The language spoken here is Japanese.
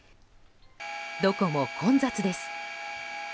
どこも混雑です。